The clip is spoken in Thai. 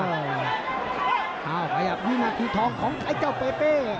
เอาออกไปอ่ะนี่มันคือทองของไอ้เจ้าเป้เป้